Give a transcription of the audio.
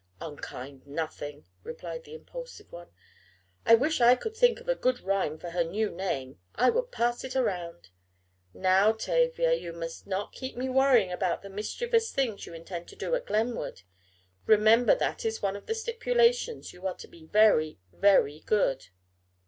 "Unkind nothing," replied the impulsive one. "I wish I could think of a good rhyme for her new name. I would pass it around " "Now, Tavia, you must not keep me worrying about the mischievous things you intend to do at Glenwood. Remember that is one of the stipulations you are to be very, very good."